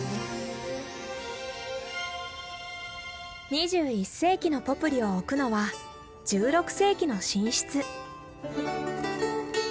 ２１世紀のポプリを置くのは１６世紀の寝室。